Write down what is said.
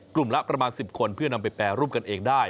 ละประมาณ๑๐คนเพื่อนำไปแปรรูปกันเองได้